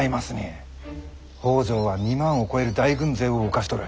北条は２万を超える大軍勢を動かしとる。